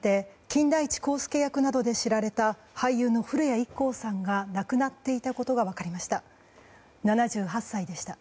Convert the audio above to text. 金田一耕助役などで知られた俳優の古谷一行さんが亡くなっていたことが分かりました。